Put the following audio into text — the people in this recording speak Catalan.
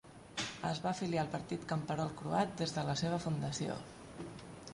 Es va afiliar al Partit Camperol Croat des de la seva fundació.